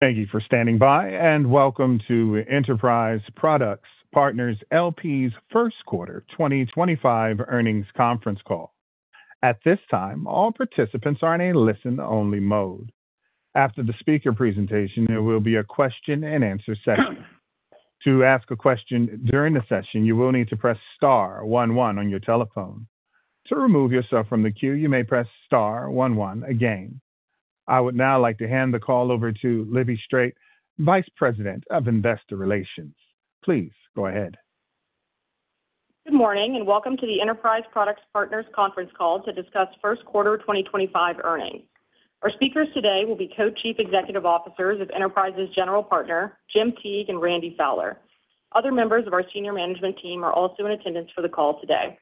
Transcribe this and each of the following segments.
Thank you for standing by, and welcome to Enterprise Products Partners L.P.'s First Quarter 2025 Earnings Conference Call. At this time, all participants are in a listen-only mode. After the speaker presentation, there will be a question and answer session. To ask a question during the session, you will need to press star one one on your telephone. To remove yourself from the queue, you may press star one one again. I would now like to hand the call over to Libby Strait, Vice President of Investor Relations. Please go ahead. Good morning, and welcome to the Enterprise Products Partners Conference Call to discuss first quarter 2025 earnings. Our speakers today will be Co-Chief Executive Officers of Enterprise's General Partner, Jim Teague, and Randy Fowler. Other members of our Senior Management Team are also in attendance for the call today.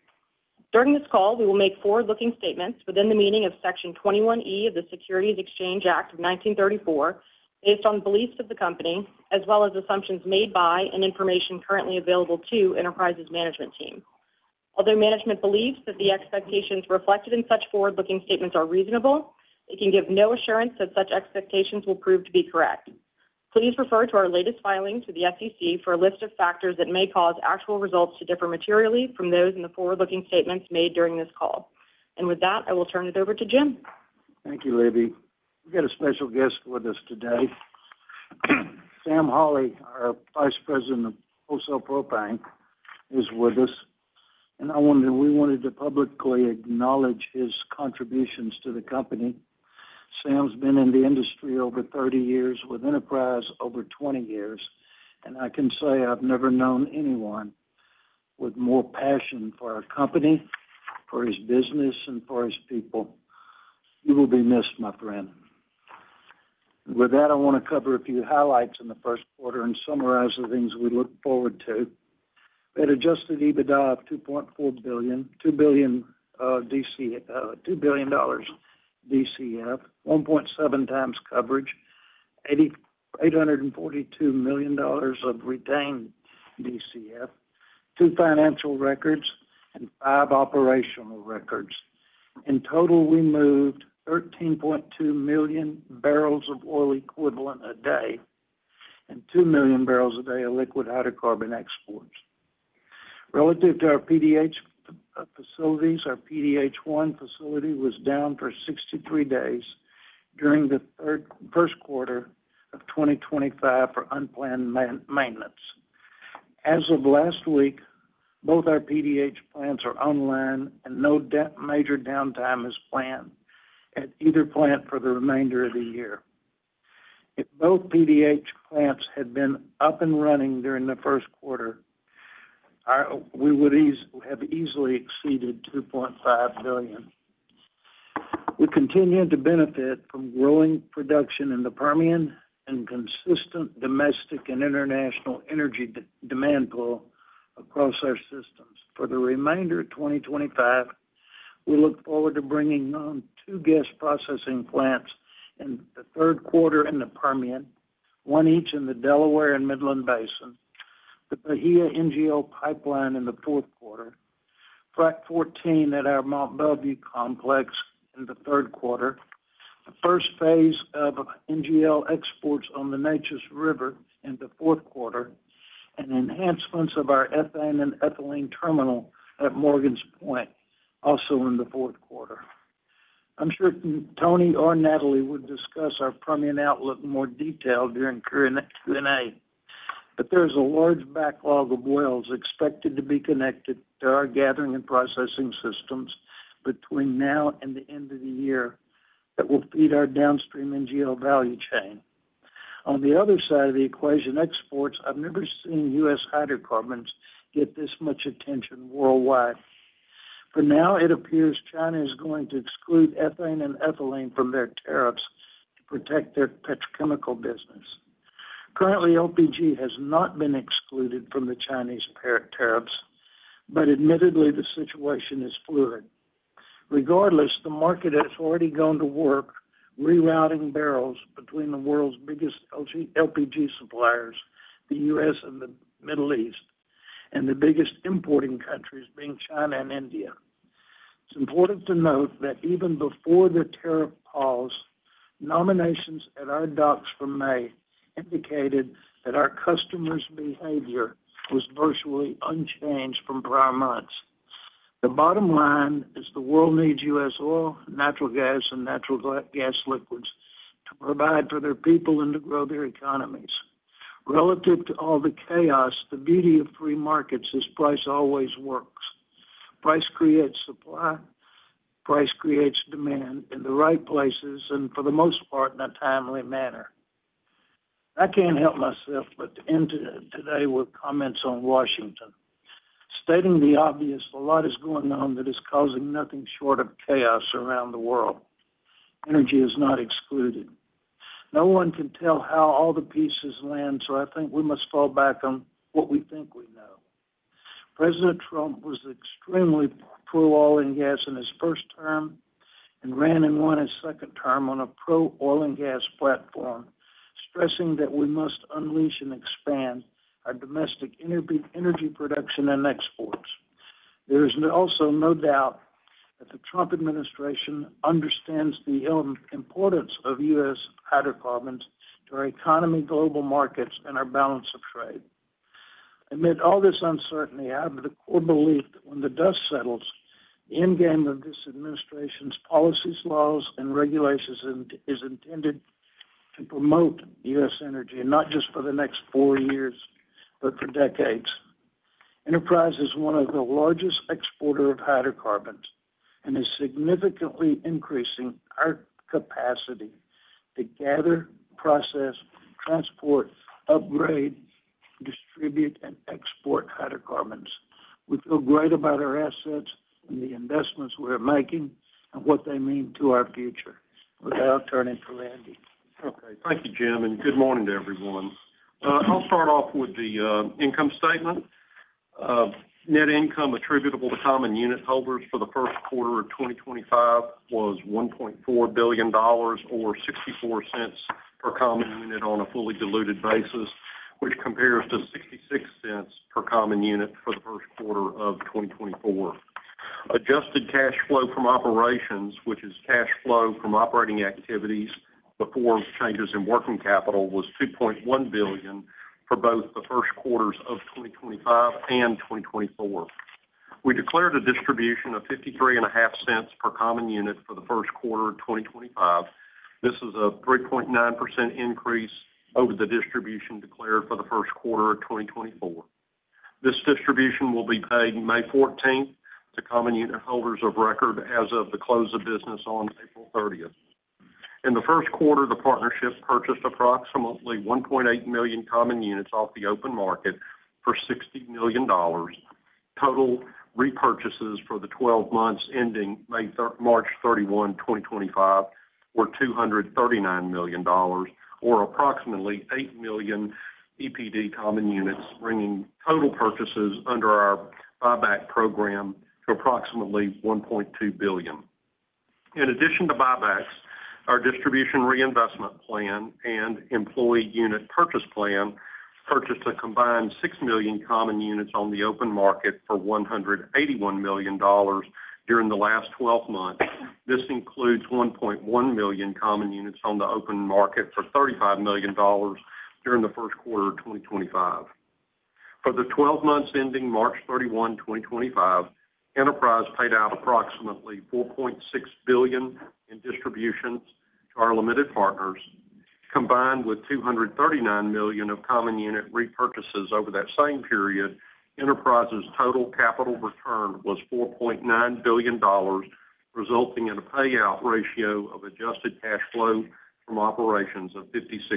During this call, we will make forward-looking statements within the meaning of Section 21E of the Securities Exchange Act of 1934, based on beliefs of the company, as well as assumptions made by and information currently available to Enterprise's management team. Although management believes that the expectations reflected in such forward-looking statements are reasonable, it can give no assurance that such expectations will prove to be correct. Please refer to our latest filing to the SEC for a list of factors that may cause actual results to differ materially from those in the forward-looking statements made during this call. With that, I will turn it over to Jim. Thank you, Libby. We've got a special guest with us today. Sam Hawley, our Vice President of Wholesale Propane, is with us, and we wanted to publicly acknowledge his contributions to the company. Sam's been in the industry over 30 years, with Enterprise over 20 years, and I can say I've never known anyone with more passion for our company, for his business, and for his people. You will be missed, my friend. With that, I want to cover a few highlights in the first quarter and summarize the things we look forward to. We had adjusted EBITDA of $2.4 billion, $2 billion DCF, 1.7 times coverage, $842 million of retained DCF, two financial records, and five operational records. In total, we moved 13.2 million bbl of oil equivalent a day and 2 million bbl a day of liquid hydrocarbon exports. Relative to our PDH facilities, our PDH 1 facility was down for 63 days during the first quarter of 2025 for unplanned maintenance. As of last week, both our PDH plants are online, and no major downtime is planned at either plant for the remainder of the year. If both PDH plants had been up and running during the first quarter, we would have easily exceeded $2.5 billion. We continue to benefit from growing production in the Permian and consistent domestic and international energy demand pull across our systems. For the remainder of 2025, we look forward to bringing on two gas processing plants in the third quarter in the Permian, one each in the Delaware and Midland Basin, the Bahia NGL pipeline in the fourth quarter, Frac 14 at our Mont Belvieu complex in the third quarter, the first phase of NGL exports on the Neches River in the fourth quarter, and enhancements of our ethane and ethylene terminal at Morgan's Point also in the fourth quarter. I'm sure Tony or Natalie would discuss our Permian outlook in more detail during Q&A, but there's a large backlog of wells expected to be connected to our gathering and processing systems between now and the end of the year that will feed our downstream NGL value chain. On the other side of the equation, exports—I've never seen U.S. hydrocarbons get this much attention worldwide. For now, it appears China is going to exclude ethane and ethylene from their tariffs to protect their petrochemical business. Currently, LPG has not been excluded from the Chinese tariffs, but admittedly, the situation is fluid. Regardless, the market has already gone to work rerouting barrels between the world's biggest LPG suppliers, the U.S. and the Middle East, and the biggest importing countries being China and India. It's important to note that even before the tariff pause, nominations at our docks from May indicated that our customers' behavior was virtually unchanged from prior months. The bottom line is the world needs U.S. oil, natural gas, and natural gas liquids to provide for their people and to grow their economies. Relative to all the chaos, the beauty of free markets is price always works. Price creates supply; price creates demand in the right places and, for the most part, in a timely manner. I can't help myself but to end today with comments on Washington. Stating the obvious, a lot is going on that is causing nothing short of chaos around the world. Energy is not excluded. No one can tell how all the pieces land, so I think we must fall back on what we think we know. President Trump was extremely pro-oil and gas in his first term and ran and won his second term on a pro-oil and gas platform, stressing that we must unleash and expand our domestic energy production and exports. There is also no doubt that the Trump administration understands the importance of U.S. hydrocarbons to our economy, global markets, and our balance of trade. Amid all this uncertainty, I have the core belief that when the dust settles, the end game of this administration's policies, laws, and regulations is intended to promote U.S. energy, not just for the next four years, but for decades. Enterprise is one of the largest exporters of hydrocarbons and is significantly increasing our capacity to gather, process, transport, upgrade, distribute, and export hydrocarbons. We feel great about our assets and the investments we're making and what they mean to our future. With that, turning to Randy. Okay. Thank you, Jim. Good morning to everyone. I'll start off with the income statement. Net income attributable to common unitholders for the first quarter of 2025 was $1.4 billion, or $0.64 per common unit on a fully diluted basis, which compares to $0.66 per common unit for the first quarter of 2024. Adjusted cash flow from operations, which is cash flow from operating activities before changes in working capital, was $2.1 billion for both the first quarters of 2025 and 2024. We declared a distribution of $0.535 per common unit for the first quarter of 2025. This is a 3.9% increase over the distribution declared for the first quarter of 2024. This distribution will be paid May 14th to common unitholders of record as of the close of business on April 30th. In the first quarter, the partnership purchased approximately 1.8 million common units off the open market for $60 million. Total repurchases for the 12 months ending March 31, 2025, were $239 million, or approximately 8 million EPD common units, bringing total purchases under our buyback program to approximately $1.2 billion. In addition to buybacks, our distribution reinvestment plan and employee unit purchase plan purchased a combined 6 million common units on the open market for $181 million during the last 12 months. This includes 1.1 million common units on the open market for $35 million during the first quarter of 2025. For the 12 months ending March 31, 2025, Enterprise paid out approximately $4.6 billion in distributions to our limited partners. Combined with $239 million of common unit repurchases over that same period, Enterprise's total capital return was $4.9 billion, resulting in a payout ratio of adjusted cash flow from operations of 56%.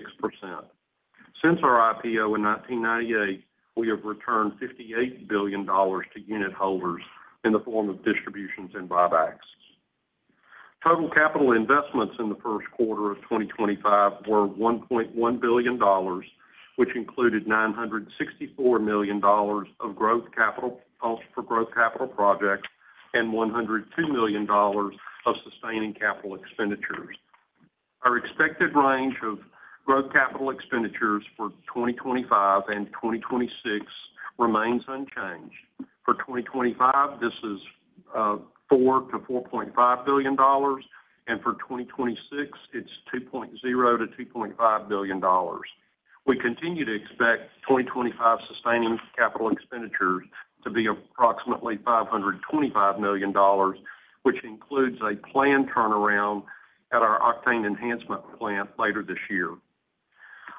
Since our IPO in 1998, we have returned $58 billion to unitholders in the form of distributions and buybacks. Total capital investments in the first quarter of 2025 were $1.1 billion, which included $964 million of growth capital for growth capital projects and $102 million of sustaining capital expenditures. Our expected range of growth capital expenditures for 2025 and 2026 remains unchanged. For 2025, this is $4 billion-$4.5 billion, and for 2026, it is $2 billion-$2.5 billion. We continue to expect 2025 sustaining capital expenditures to be approximately $525 million, which includes a planned turnaround at our octane enhancement plant later this year.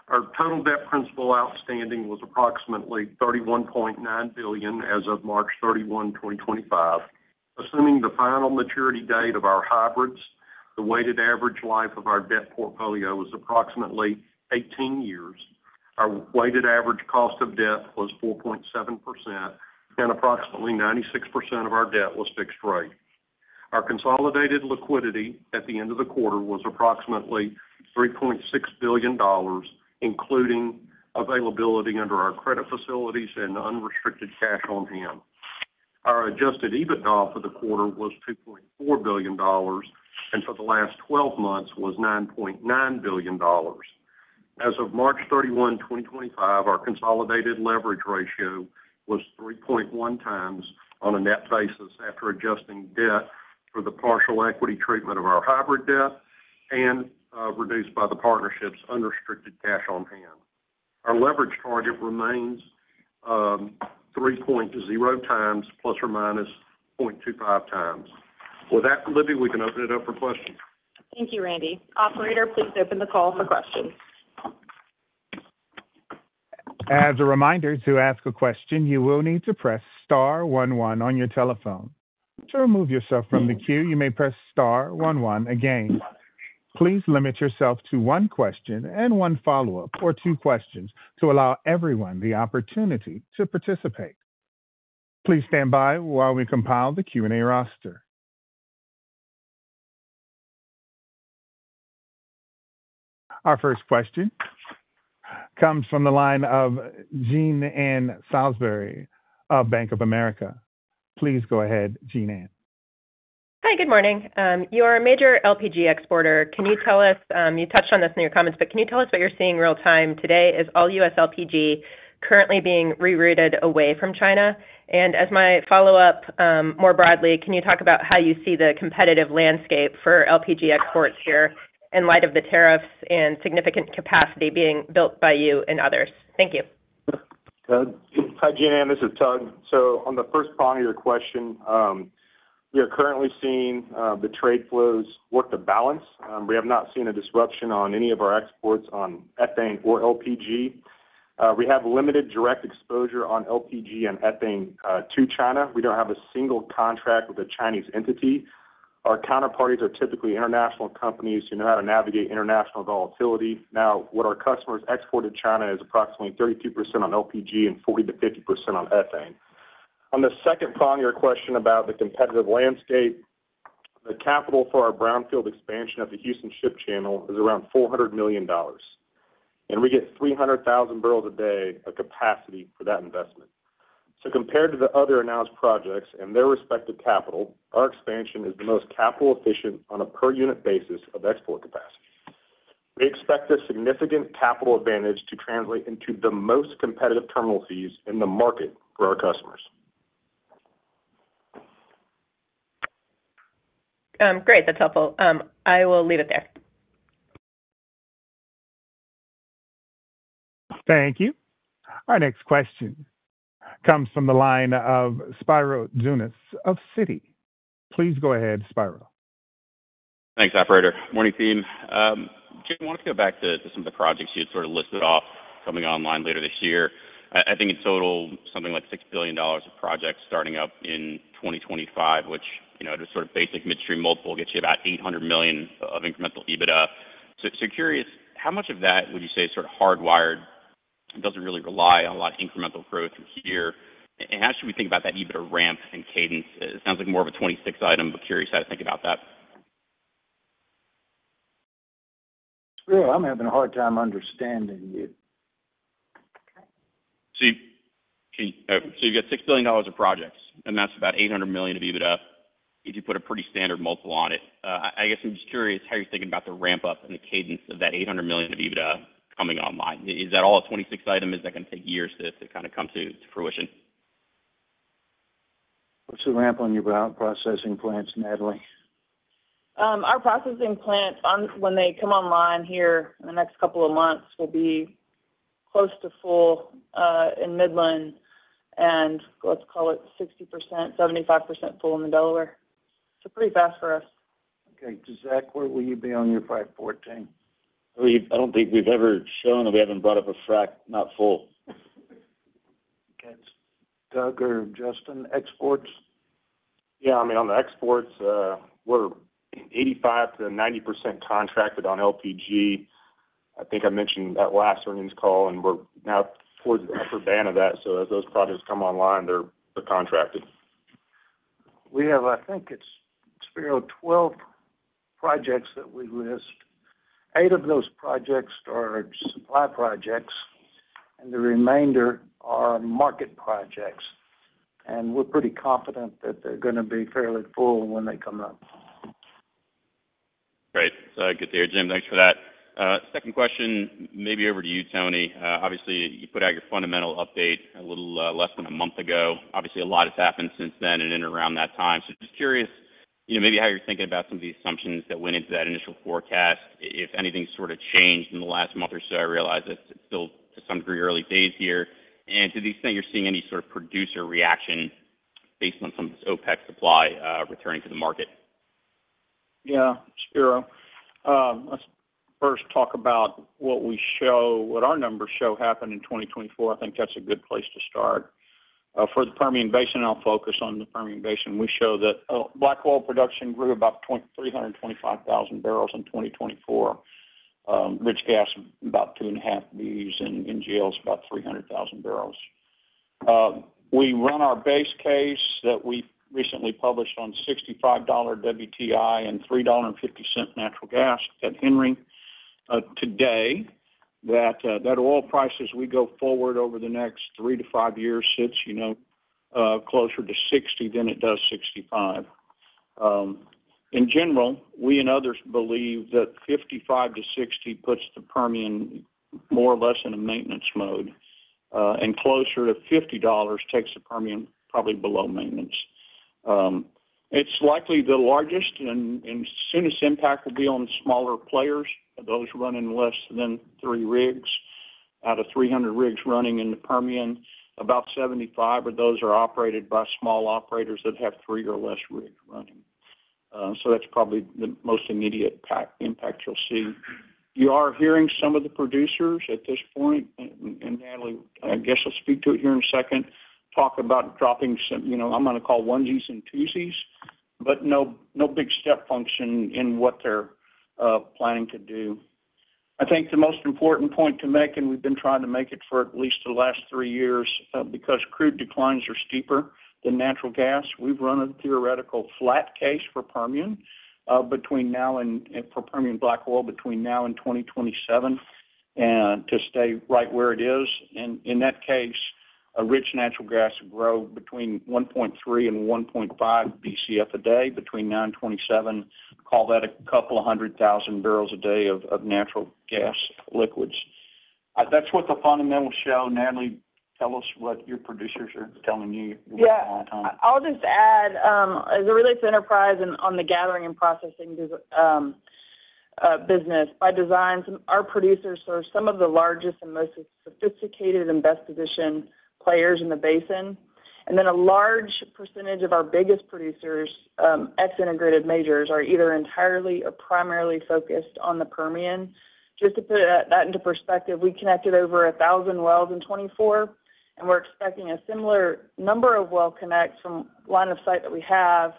Our total debt principal outstanding was approximately $31.9 billion as of March 31, 2025. Assuming the final maturity date of our hybrids, the weighted average life of our debt portfolio was approximately 18 years. Our weighted average cost of debt was 4.7%, and approximately 96% of our debt was fixed rate. Our consolidated liquidity at the end of the quarter was approximately $3.6 billion, including availability under our credit facilities and unrestricted cash on hand. Our adjusted EBITDA for the quarter was $2.4 billion, and for the last 12 months was $9.9 billion. As of March 31, 2025, our consolidated leverage ratio was 3.1 times on a net basis after adjusting debt for the partial equity treatment of our hybrid debt and reduced by the partnership's unrestricted cash on hand. Our leverage target remains 3.0 times plus or minus 0.25 times. With that, Libby, we can open it up for questions. Thank you, Randy. Operator, please open the call for questions. As a reminder, to ask a question, you will need to press star one one on your telephone. To remove yourself from the queue, you may press star one one again. Please limit yourself to one question and one follow-up, or two questions, to allow everyone the opportunity to participate. Please stand by while we compile the Q&A roster. Our first question comes from the line of Jean Ann Salisbury of Bank of America. Please go ahead, Jean Ann. Hi, good morning. You are a major LPG exporter. Can you tell us—you touched on this in your comments—can you tell us what you're seeing real-time today? Is all U.S. LPG currently being rerouted away from China? As my follow-up more broadly, can you talk about how you see the competitive landscape for LPG exports here in light of the tariffs and significant capacity being built by you and others? Thank you. Hi, Jean Ann. This is Tug. On the first part of your question, we are currently seeing the trade flows work to balance. We have not seen a disruption on any of our exports on ethane or LPG. We have limited direct exposure on LPG and ethane to China. We do not have a single contract with a Chinese entity. Our counterparties are typically international companies who know how to navigate international volatility. Now, what our customers export to China is approximately 32% on LPG and 40%-50% on ethane. On the second part of your question about the competitive landscape, the capital for our brownfield expansion at the Houston Ship Channel is around $400 million, and we get 300,000 bbl a day of capacity for that investment. Compared to the other announced projects and their respective capital, our expansion is the most capital-efficient on a per-unit basis of export capacity. We expect a significant capital advantage to translate into the most competitive terminal fees in the market for our customers. Great. That's helpful. I will leave it there. Thank you. Our next question comes from the line of Spiro Dounis of Citi. Please go ahead, Spiro. Thanks, Operator. Morning, team. Jim, wanted to go back to some of the projects you had sort of listed off coming online later this year. I think in total, something like $6 billion of projects starting up in 2025, which just sort of basic midstream multiple gets you about $800 million of incremental EBITDA. Curious, how much of that would you say is sort of hardwired and does not really rely on a lot of incremental growth here? How should we think about that EBITDA ramp and cadence? It sounds like more of a 2026 item, but curious how to think about that. Sorry. I'm having a hard time understanding you. You have got $6 billion of projects, and that is about $800 million of EBITDA if you put a pretty standard multiple on it. I guess I am just curious how you are thinking about the ramp-up and the cadence of that $800 million of EBITDA coming online. Is that all a 2026 item? Is that going to take years to kind of come to fruition? What's the ramp on your processing plants, Natalie? Our processing plant, when they come online here in the next couple of months, will be close to full in Midland and, let's call it, 60%-75% full in the Delaware. Pretty fast for us. Okay. Zach, where will you be on your Frac 14? I don't think we've ever shown that we haven't brought up a frac not full. Okay. Tug or Justin, exports? Yeah. I mean, on the exports, we're 85%-90% contracted on LPG. I think I mentioned that last earnings call, and we're now towards the upper band of that. As those projects come online, they're contracted. We have, I think it's 12 projects that we list. Eight of those projects are supply projects, and the remainder are market projects. We're pretty confident that they're going to be fairly full when they come up. Great. Good to hear, Jim. Thanks for that. Second question, maybe over to you, Tony. Obviously, you put out your fundamental update a little less than a month ago. Obviously, a lot has happened since then and in and around that time. Just curious maybe how you're thinking about some of the assumptions that went into that initial forecast. If anything's sort of changed in the last month or so, I realize it's still to some degree early days here. To the extent you're seeing any sort of producer reaction based on some of this OPEC supply returning to the market? Yeah. Spiro, let's first talk about what we show, what our numbers show happen in 2024. I think that's a good place to start. For the Permian Basin, I'll focus on the Permian Basin. We show that black oil production grew about 325,000 bbl in 2024, rich gas about two and a half Bs, and NGLs about 300,000 bbl. We run our base case that we recently published on $65 WTI and $3.50 natural gas at Henry today that oil prices, we go forward over the next three to five years, sit closer to 60 than it does 65. In general, we and others believe that 55-60 puts the Permian more or less in a maintenance mode, and closer to $50 takes the Permian probably below maintenance. It's likely the largest, and soonest impact will be on smaller players. Those run in less than three rigs. Out of 300 rigs running in the Permian, about 75 of those are operated by small operators that have three or less rigs running. That's probably the most immediate impact you'll see. You are hearing some of the producers at this point, and Natalie, I guess I'll speak to it here in a second, talk about dropping some, I'm going to call onesies and twosies, but no big step function in what they're planning to do. I think the most important point to make, and we've been trying to make it for at least the last three years because crude declines are steeper than natural gas, we've run a theoretical flat case for Permian between now and for Permian black oil between now and 2027 to stay right where it is. In that case, rich natural gas grow between 1.3 and 1.5 BCF a day between now and 2027. Call that a couple of hundred thousand barrels a day of natural gas liquids. That is what the fundamentals show. Natalie, tell us what your producers are telling you all the time. Yeah. I'll just add, as it relates to Enterprise and on the gathering and processing business, by design, our producers are some of the largest and most sophisticated and best-positioned players in the basin. A large percentage of our biggest producers, ex-integrated majors, are either entirely or primarily focused on the Permian. Just to put that into perspective, we connected over 1,000 wells in 2024, and we're expecting a similar number of well connects from line of sight that we have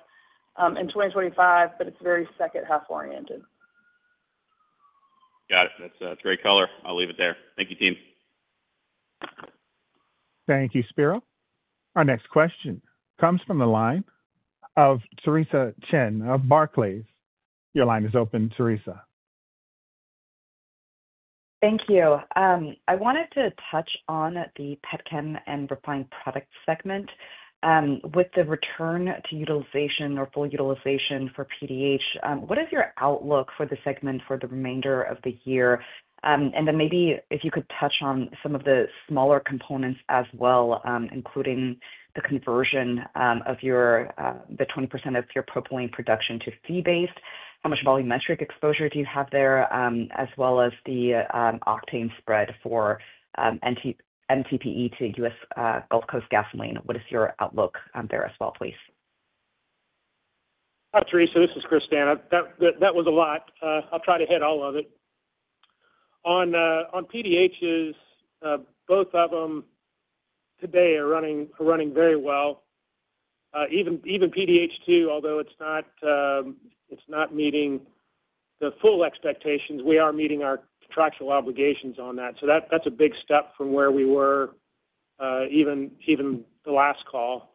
in 2025, but it's very second-half oriented. Got it. That's great color. I'll leave it there. Thank you, team. Thank you, Spiro. Our next question comes from the line of Theresa Chen of Barclays. Your line is open, Theresa. Thank you. I wanted to touch on the Petchem and Refined Products segment. With the return to utilization or full utilization for PDH, what is your outlook for the segment for the remainder of the year? If you could touch on some of the smaller components as well, including the conversion of the 20% of your propylene production to fee-based. How much volumetric exposure do you have there, as well as the octane spread for MTBE to U.S. Gulf Coast gasoline? What is your outlook there as well, please? Hi, Theresa. This is Chris D'Anna. That was a lot. I'll try to hit all of it. On PDHs, both of them today are running very well. Even PDH 2, although it's not meeting the full expectations, we are meeting our contractual obligations on that. That's a big step from where we were even the last call.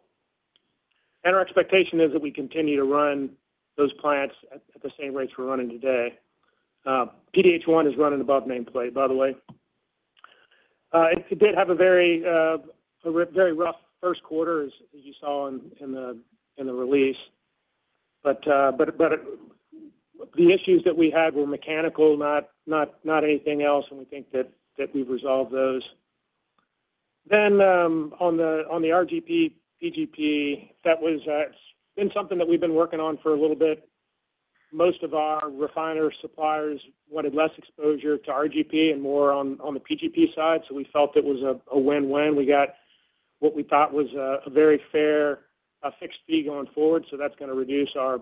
Our expectation is that we continue to run those plants at the same rates we're running today. PDH 1 is running above nameplate, by the way. It did have a very rough first quarter, as you saw in the release. The issues that we had were mechanical, not anything else, and we think that we've resolved those. On the RGP, PGP, that was something that we've been working on for a little bit. Most of our refiner suppliers wanted less exposure to RGP and more on the PGP side. We felt it was a win-win. We got what we thought was a very fair fixed fee going forward. That is going to reduce our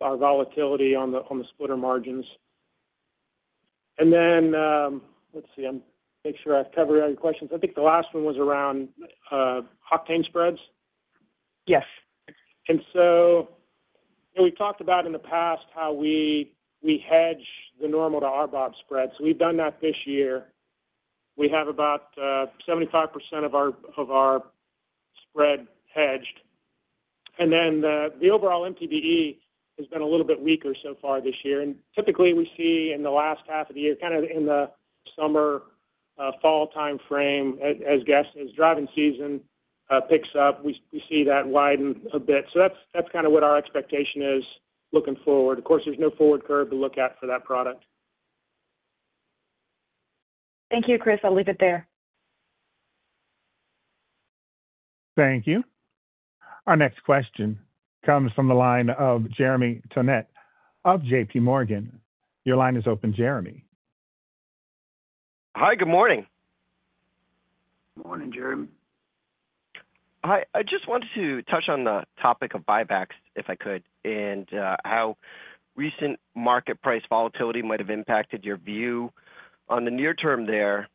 volatility on the splitter margins. Let me make sure I have covered all your questions. I think the last one was around octane spreads. Yes. We have talked about in the past how we hedge the normal to RBOB spreads. We have done that this year. We have about 75% of our spread hedged. The overall MTBE has been a little bit weaker so far this year. Typically, we see in the last half of the year, kind of in the summer, fall timeframe, as driving season picks up, we see that widen a bit. That is kind of what our expectation is looking forward. Of course, there is no forward curve to look at for that product. Thank you, Chris. I'll leave it there. Thank you. Our next question comes from the line of Jeremy Tonet of JPMorgan. Your line is open, Jeremy. Hi, good morning. Morning, Jeremy. Hi. I just wanted to touch on the topic of buybacks, if I could, and how recent market price volatility might have impacted your view on the near term there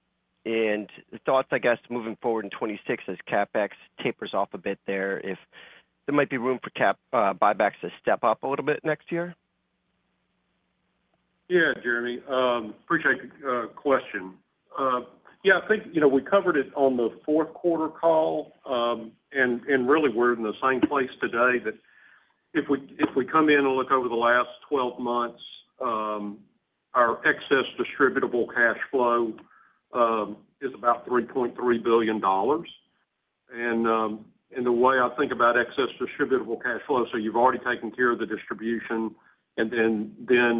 and thoughts, I guess, moving forward in 2026 as CapEx tapers off a bit there, if there might be room for buybacks to step up a little bit next year? Yeah, Jeremy. Appreciate the question. I think we covered it on the fourth quarter call. Really, we're in the same place today that if we come in and look over the last 12 months, our excess distributable cash flow is about $3.3 billion. The way I think about excess distributable cash flow, so you've already taken care of the distribution. The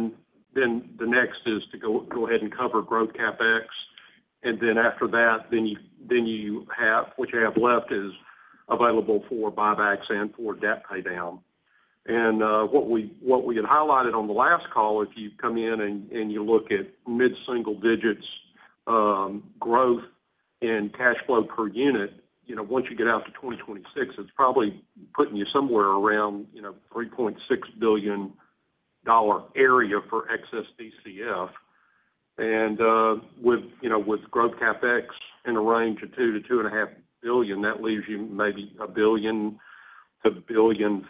next is to go ahead and cover growth CapEx. After that, what you have left is available for buybacks and for debt paydown. What we had highlighted on the last call, if you come in and you look at mid-single digits growth and cash flow per unit, once you get out to 2026, it's probably putting you somewhere around $3.6 billion area for excess DCF. With growth CapEx in a range of $2 billion-$2.5 billion, that leaves you maybe $1 billion-$1.5 billion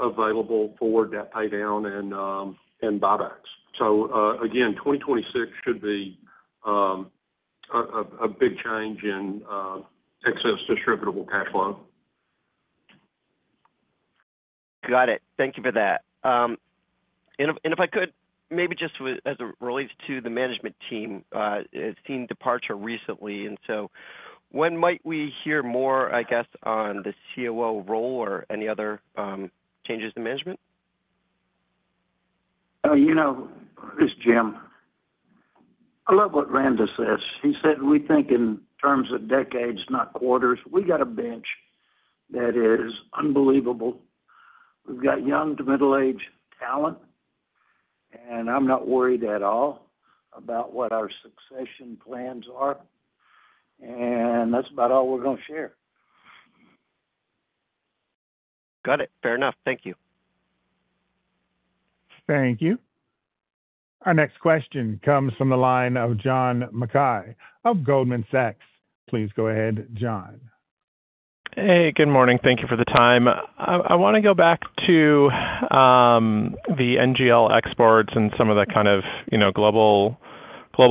available for debt paydown and buybacks. Again, 2026 should be a big change in excess distributable cash flow. Got it. Thank you for that. If I could, maybe just as it relates to the management team, it's seen departure recently. When might we hear more, I guess, on the COO role or any other changes in management? Oh, you know, this is Jim. I love what Randy says. He said, "We think in terms of decades, not quarters. We got a bench that is unbelievable. We've got young to middle-aged talent. And I'm not worried at all about what our succession plans are." That is about all we're going to share. Got it. Fair enough. Thank you. Thank you. Our next question comes from the line of John Mackay of Goldman Sachs. Please go ahead, John. Hey, good morning. Thank you for the time. I want to go back to the NGL exports and some of the kind of global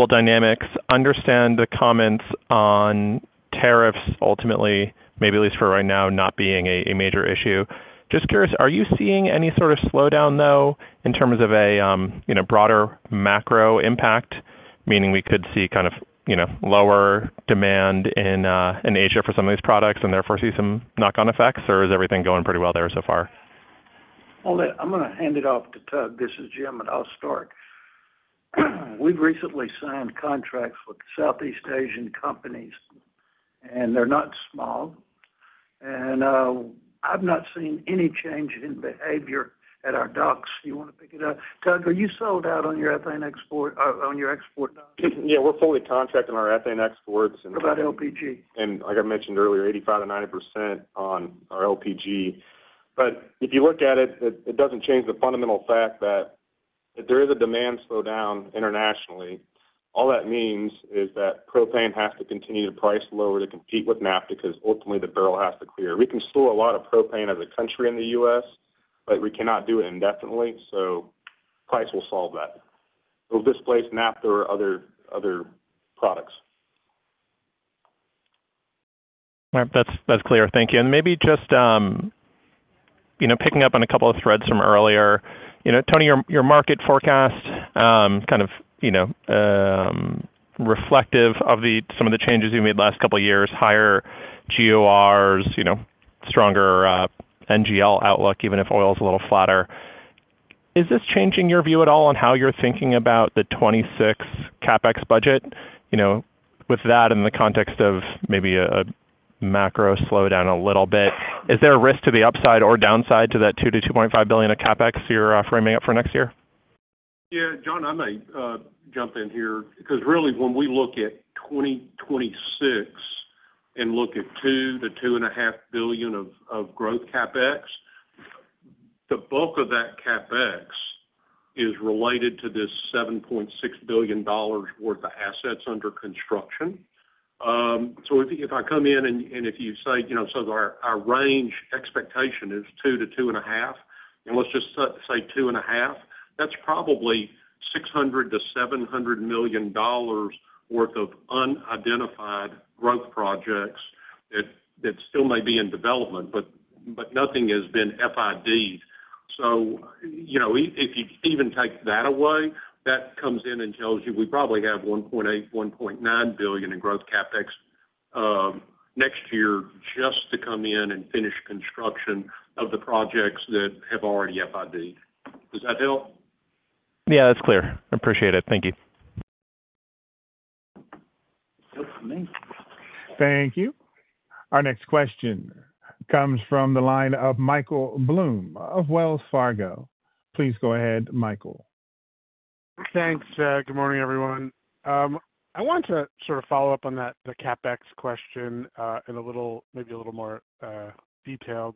dynamics, understand the comments on tariffs, ultimately, maybe at least for right now, not being a major issue. Just curious, are you seeing any sort of slowdown, though, in terms of a broader macro impact, meaning we could see kind of lower demand in Asia for some of these products and therefore see some knock-on effects, or is everything going pretty well there so far? I'm going to hand it off to Tug. This is Jim, and I'll start. We've recently signed contracts with Southeast Asian companies, and they're not small. I've not seen any change in behavior at our docks. You want to pick it up? Tug, are you sold out on your ethane export docks? Yeah, we're fully contracting our ethane exports. What about LPG? Like I mentioned earlier, 85%-90% on our LPG. If you look at it, it does not change the fundamental fact that if there is a demand slowdown internationally, all that means is that propane has to continue to price lower to compete with naphtha because ultimately the barrel has to clear. We can store a lot of propane as a country in the U.S., but we cannot do it indefinitely. Price will solve that. It will displace naphtha or other products. All right. That's clear. Thank you. Maybe just picking up on a couple of threads from earlier, Tony, your market forecast, kind of reflective of some of the changes you made last couple of years, higher GORs, stronger NGL outlook, even if oil is a little flatter. Is this changing your view at all on how you're thinking about the 2026 CapEx budget? With that in the context of maybe a macro slowdown a little bit, is there a risk to the upside or downside to that $2 billion-$2.5 billion of CapEx you're framing up for next year? Yeah, John, I may jump in here because really, when we look at 2026 and look at $2 billion-$2.5 billion of growth CapEx, the bulk of that CapEx is related to this $7.6 billion worth of assets under construction. If you say, "So our range expectation is $2 billion-$2.5 billion," and let's just say $2.5 billion, that's probably $600 million-$700 million worth of unidentified growth projects that still may be in development, but nothing has been FIDed. If you even take that away, that comes in and tells you we probably have $1.8 billion-$1.9 billion in growth CapEx next year just to come in and finish construction of the projects that have already FIDed. Does that help? Yeah, that's clear. I appreciate it. Thank you. Thank you. Our next question comes from the line of Michael Blum of Wells Fargo. Please go ahead, Michael. Thanks. Good morning, everyone. I want to sort of follow up on the CapEx question in a little, maybe a little more detailed.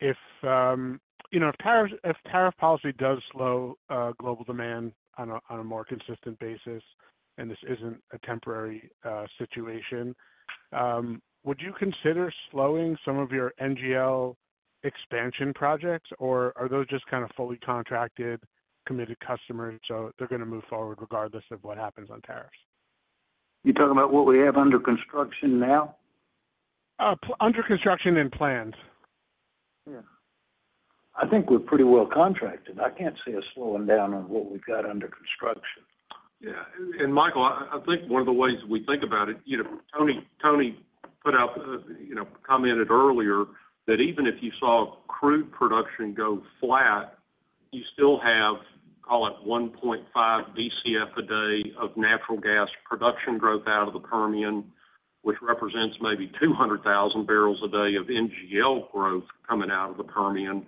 If tariff policy does slow global demand on a more consistent basis, and this isn't a temporary situation, would you consider slowing some of your NGL expansion projects, or are those just kind of fully contracted, committed customers so they're going to move forward regardless of what happens on tariffs? You're talking about what we have under construction now? Under construction and plans. Yeah. I think we're pretty well contracted. I can't see us slowing down on what we've got under construction. Yeah. Michael, I think one of the ways we think about it, Tony commented earlier that even if you saw crude production go flat, you still have, call it 1.5 BCF a day of natural gas production growth out of the Permian, which represents maybe 200,000 bbl a day of NGL growth coming out of the Permian.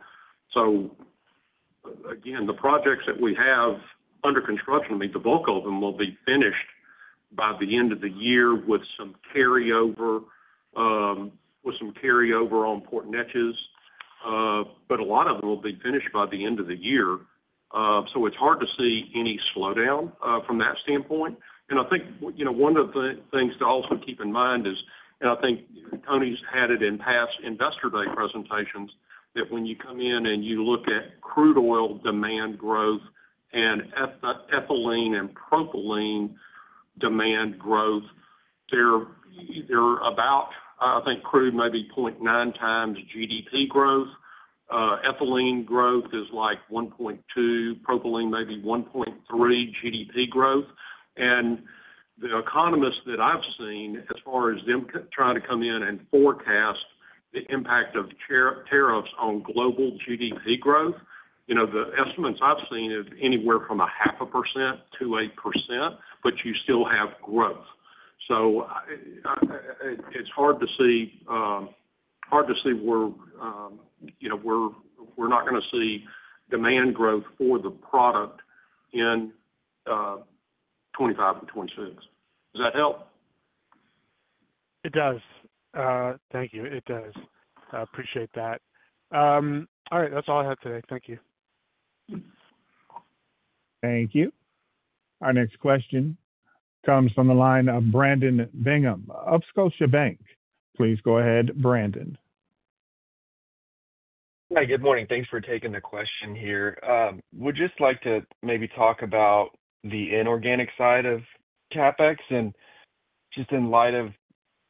Again, the projects that we have under construction, I mean, the bulk of them will be finished by the end of the year with some carryover on Port Neches. A lot of them will be finished by the end of the year. It's hard to see any slowdown from that standpoint. I think one of the things to also keep in mind is, and I think Tony's had it in past Investor Day presentations, that when you come in and you look at crude oil demand growth and ethylene and propylene demand growth, they're about, I think, crude maybe 0.9 times GDP growth. Ethylene growth is like 1.2, propylene maybe 1.3 GDP growth. The economists that I've seen, as far as them trying to come in and forecast the impact of tariffs on global GDP growth, the estimates I've seen is anywhere from a half a percent to 1%, but you still have growth. It is hard to see where we're not going to see demand growth for the product in 2025 and 2026. Does that help? It does. Thank you. It does. I appreciate that. All right. That's all I have today. Thank you. Thank you. Our next question comes from the line of Brandon Bingham of Scotiabank. Please go ahead, Brandon. Hi, good morning. Thanks for taking the question here. Would just like to maybe talk about the inorganic side of CapEx. Just in light of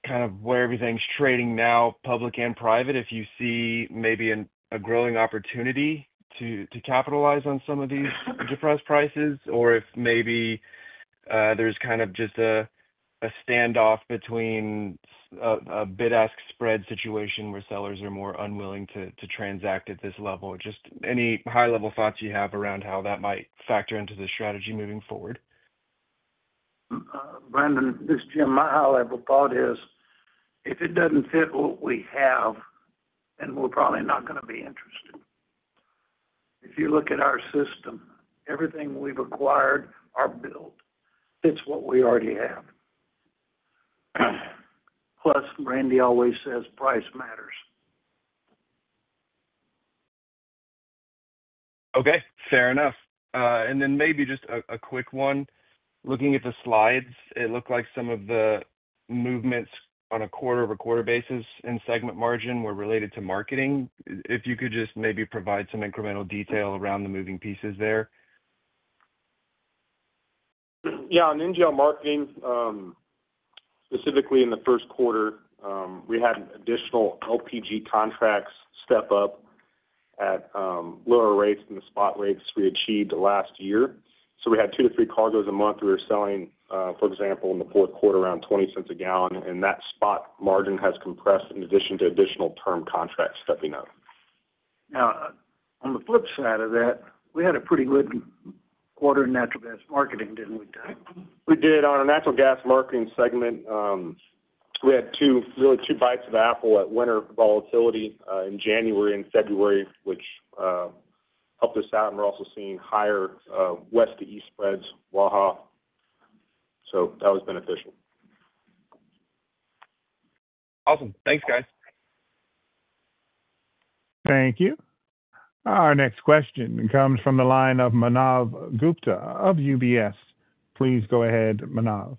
kind of where everything's trading now, public and private, if you see maybe a growing opportunity to capitalize on some of these enterprise prices, or if maybe there's kind of just a standoff between a bid-ask spread situation where sellers are more unwilling to transact at this level. Just any high-level thoughts you have around how that might factor into the strategy moving forward? Brandon, this is Jim. My high-level thought is if it does not fit what we have, then we are probably not going to be interested. If you look at our system, everything we have acquired or built fits what we already have. Plus, Randy always says, "Price matters." Okay. Fair enough. Maybe just a quick one. Looking at the slides, it looked like some of the movements on a quarter-over-quarter basis in segment margin were related to marketing. If you could just maybe provide some incremental detail around the moving pieces there. Yeah. In NGL marketing, specifically in the first quarter, we had additional LPG contracts step up at lower rates than the spot rates we achieved last year. We had two to three cargoes a month we were selling, for example, in the fourth quarter, around $0.20 a gallon. That spot margin has compressed in addition to additional term contracts stepping up. Now, on the flip side of that, we had a pretty good quarter in natural gas marketing, didn't we? We did. On our natural gas marketing segment, we had really two bites of the apple at winter volatility in January and February, which helped us out. We are also seeing higher west to east spreads, Waha. That was beneficial. Awesome. Thanks, guys. Thank you. Our next question comes from the line of Manav Gupta of UBS. Please go ahead, Manav.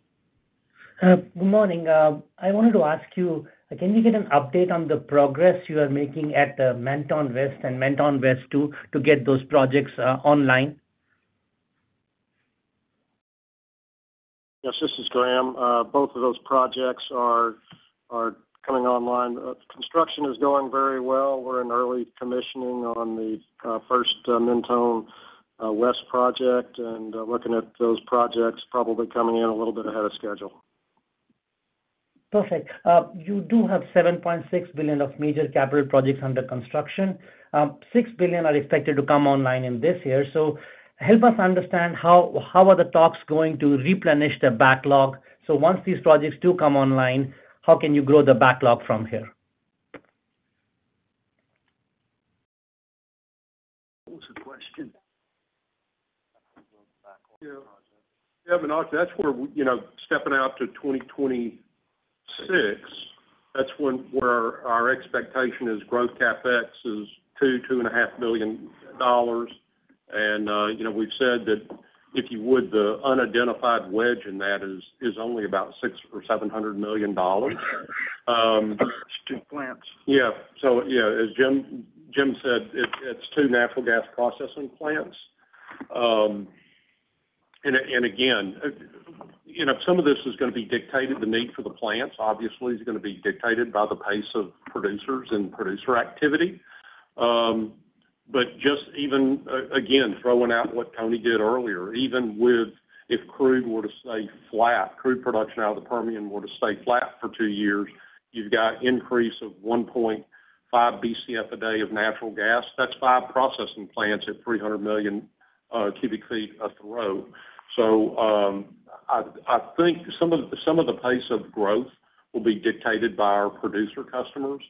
Good morning. I wanted to ask you, can you give an update on the progress you are making at the Mentone West and Mentone West 2 to get those projects online? Yes. This is Graham. Both of those projects are coming online. Construction is going very well. We're in early commissioning on the first Mentone West project and looking at those projects probably coming in a little bit ahead of schedule. Perfect. You do have $7.6 billion of major capital projects under construction. $6 billion are expected to come online in this year. Help us understand how are the talks going to replenish the backlog? Once these projects do come online, how can you grow the backlog from here? What was the question? Yeah, Manav, that's where stepping out to 2026, that's where our expectation is growth CapEx is $2 billion-$2.5 billion. And we've said that if you would, the unidentified wedge in that is only about $600 million or $700 million. It's two plants. Yeah. As Jim said, it's two natural gas processing plants. Again, some of this is going to be dictated. The need for the plants, obviously, is going to be dictated by the pace of producers and producer activity. Just even again, throwing out what Tony did earlier, even if crude were to stay flat, crude production out of the Permian were to stay flat for two years, you've got an increase of 1.5 BCF a day of natural gas. That's five processing plants at 300 million cu ft a throw. I think some of the pace of growth will be dictated by our producer customers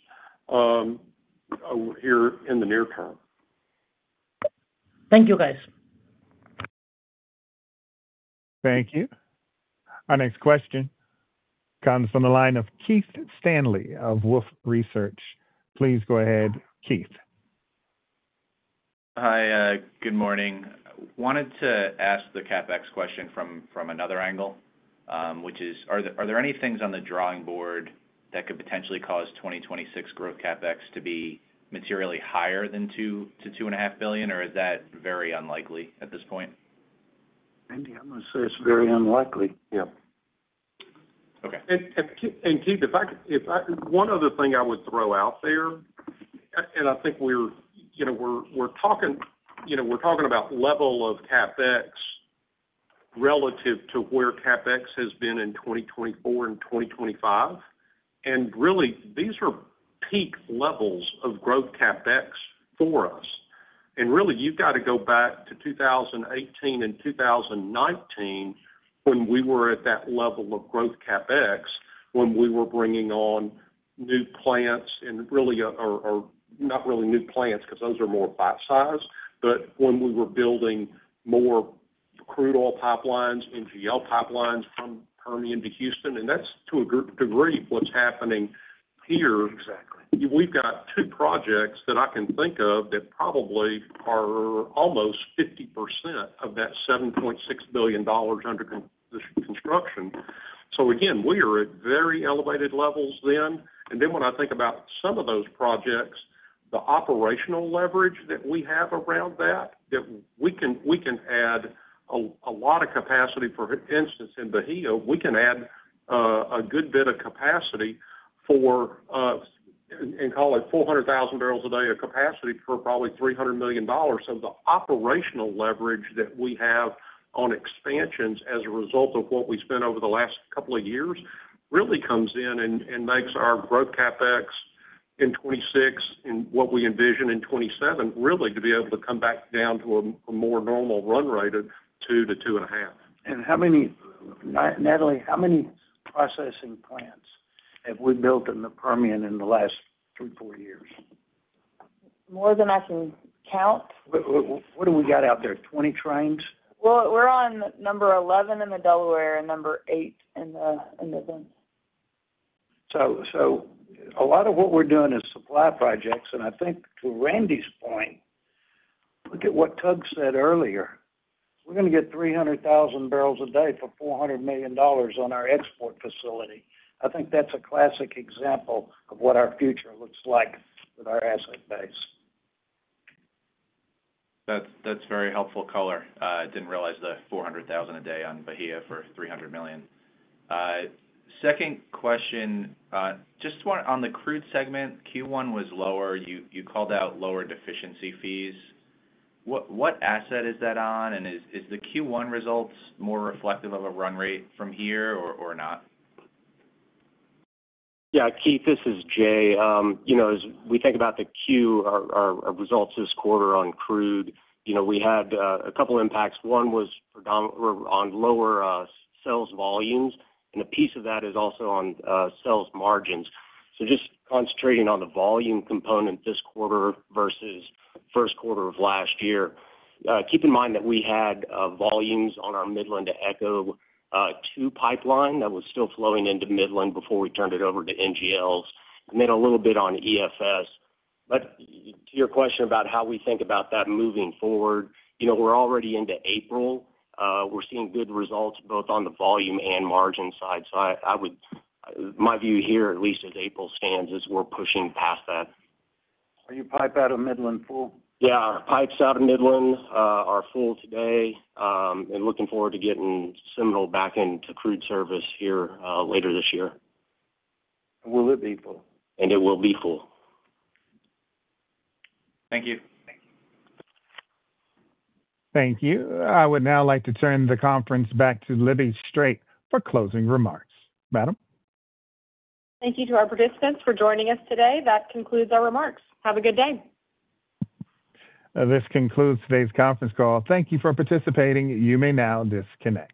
here in the near term. Thank you, guys. Thank you. Our next question comes from the line of Keith Stanley of Wolfe Research. Please go ahead, Keith. Hi, good morning. Wanted to ask the CapEx question from another angle, which is, are there any things on the drawing board that could potentially cause 2026 growth CapEx to be materially higher than $2 billion-$2.5 billion, or is that very unlikely at this point? Randy, I'm going to say it's very unlikely. Yeah. Keith, if I could, one other thing I would throw out there, I think we're talking about level of CapEx relative to where CapEx has been in 2024 and 2025. Really, these are peak levels of growth CapEx for us. You have to go back to 2018 and 2019 when we were at that level of growth CapEx, when we were bringing on new plants, and really are not really new plants because those are more bite-sized. When we were building more crude oil pipelines, NGL pipelines from Permian to Houston, that is to a degree what's happening here. We have two projects that I can think of that probably are almost 50% of that $7.6 billion under construction. Again, we are at very elevated levels then. When I think about some of those projects, the operational leverage that we have around that, that we can add a lot of capacity for, for instance, in Bahia, we can add a good bit of capacity for, and call it 400,000 bbl a day of capacity for probably $300 million. The operational leverage that we have on expansions as a result of what we spent over the last couple of years really comes in and makes our growth CapEx in 2026 and what we envision in 2027 really to be able to come back down to a more normal run rate of 2-2.5. Natalie, how many processing plants have we built in the Permian in the last three, four years? More than I can count. What do we got out there? Twenty trains? We're on number 11 in the Delaware and number 8 in Midland. A lot of what we're doing is supply projects. I think to Randy's point, look at what Tug said earlier. We're going to get 300,000 bbl a day for $400 million on our export facility. I think that's a classic example of what our future looks like with our asset base. That's very helpful color. Didn't realize the 400,000 a day on Bahia for $300 million. Second question, just on the crude segment, Q1 was lower. You called out lower deficiency fees. What asset is that on? Is the Q1 results more reflective of a run rate from here or not? Yeah. Keith, this is Jay. As we think about the Q, our results this quarter on crude, we had a couple of impacts. One was on lower sales volumes, and a piece of that is also on sales margins. Just concentrating on the volume component this quarter versus first quarter of last year. Keep in mind that we had volumes on our Midland to ECHO 2 pipeline that was still flowing into Midland before we turned it over to NGLs. And then a little bit on EFS. To your question about how we think about that moving forward, we're already into April. We're seeing good results both on the volume and margin side. My view here, at least as April stands, is we're pushing past that. Are your pipe out of Midland full? Yeah. Our pipes out of Midland are full today. Looking forward to getting Seminole back into crude service here later this year. Will it be full? It will be full. Thank you. Thank you. I would now like to turn the conference back to Libby Strait for closing remarks. Madam? Thank you to our participants for joining us today. That concludes our remarks. Have a good day. This concludes today's conference call. Thank you for participating. You may now disconnect.